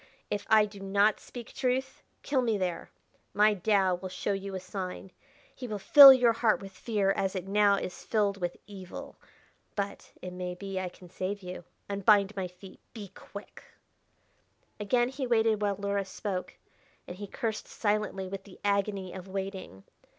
If I do not speak truth, kill me there. My Tao will show you a sign; he will fill your heart with fear as it now is filled with evil. But, it may be I can save you. Unbind my feet! Be quick!" Again he waited while Luhra spoke, and he cursed silently with the agony of waiting.